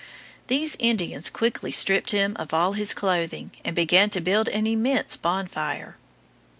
These Indians quickly stripped him of all his clothing and began to build an immense bonfire.